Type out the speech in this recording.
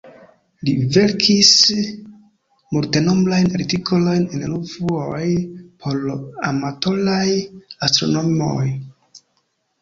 Li verkis multenombrajn artikolojn en revuoj por amatoraj astronomoj.